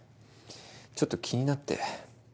ちょっと気になって。